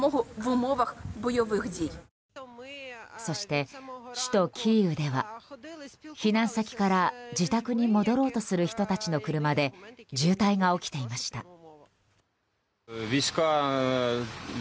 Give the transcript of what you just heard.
そして、首都キーウでは避難先から自宅に戻ろうとする人たちの車で渋滞が起きていました。